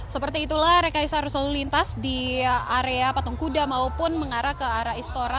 seperti itulah rekayasa arus lalu lintas di area patung kuda maupun mengarah ke arah istora